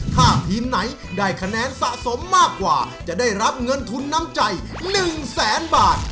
ถ้าทีมไหนได้คะแนนสะสมมากกว่าจะได้รับเงินทุนน้ำใจ๑แสนบาท